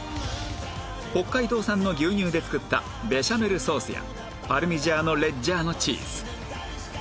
北海道産の牛乳で作ったベシャメルソースやパルミジャーノ・レッジャーノチーズ